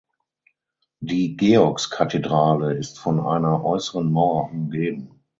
Die Georgskathedrale ist von einer äußeren Mauer umgeben.